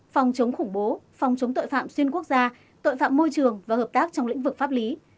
phòng chống khủng bố phòng chống tội phạm xuyên quốc gia tội phạm môi trường và hợp tác trong lĩnh vực pháp lý